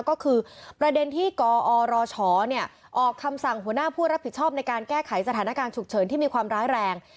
ก็คือประเด็นที่กอรชออกคำสั่งหัวหน้าผู้รับผิดชอบในการแก้ไขสถานการณ์ฉุกเฉินที่มีความร้ายแรง